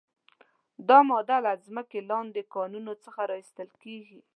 دا ماده له ځمکې لاندې کانونو څخه را ایستل کیږي.